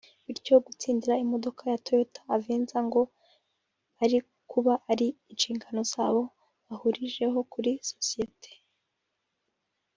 bityo gutsindira imodoka ya Toyota Avenza ngo bari kuba ari inshingano zabo bubahirije kuri sosiyete